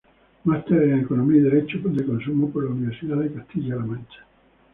Máster en Economía y Derecho de Consumo por la Universidad de Castilla-La Mancha.